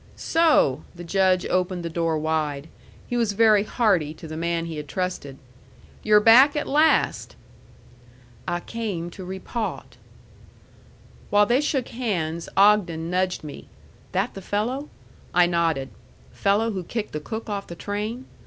"So!" The Judge opened the door wide. He was very hearty to the man he had trusted. "You're back at last." "I came to repawt." While they shook hands, Ogden nudged me. "That the fellow?" I nodded. "Fellow who kicked the cook off the train?"